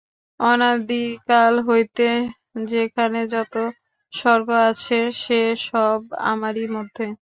অনাদিকাল হইতে যেখানে যত স্বর্গ আছে, সে-সব আমারই মধ্যে।